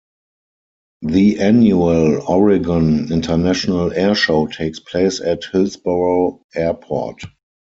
The annual Oregon International Air Show takes place at Hillsboro Airport.